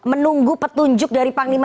soal menunggu petunjuk dari pak menteri erick